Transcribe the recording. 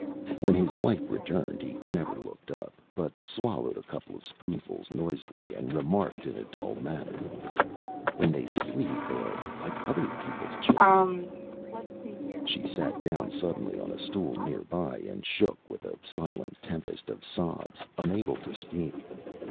When his wife returned he never looked up, but swallowed a couple of spoonfuls noisily, and remarked, in a dull manner ÂWhen they sleep they are like other peopleÂs children.Â She sat down suddenly on a stool near by, and shook with a silent tempest of sobs, unable to speak.